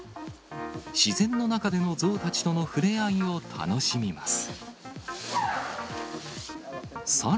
自然の中でのゾウたちとの触れ合いを楽しみます。